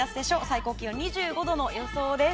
最高気温は２５度の予想です。